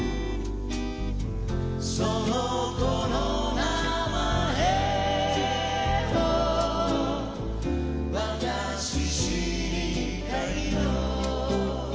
「その娘の名前を私知りたいの」